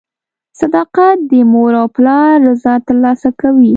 • صداقت د مور او پلار رضا ترلاسه کوي.